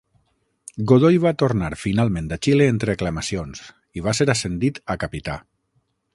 Godoy va tornar finalment a Chile entre aclamacions i va ser ascendit a capità.